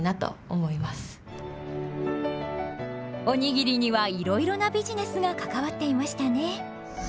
おにぎりにはいろいろなビジネスが関わっていましたね。